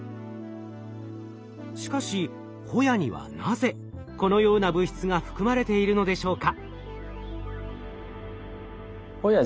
しかしホヤにはなぜこのような物質が含まれているのでしょうか？